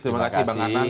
terima kasih bang anand